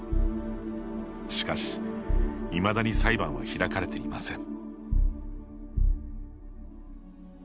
しかし、いまだに裁判は開かれていません。